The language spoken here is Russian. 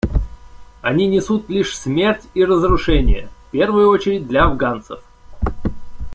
Они несут лишь смерть и разрушение, в первую очередь для афганцев.